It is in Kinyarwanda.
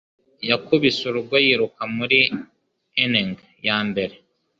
Yakubise urugo yiruka muri inning yambere.